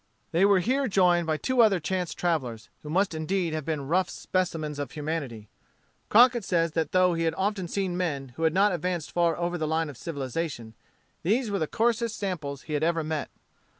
They were here joined by two other chance travellers, who must indeed have been rough specimens of humanity. Crockett says that though he had often seen men who had not advanced far over the line of civilization, these were the coarsest samples he had ever met.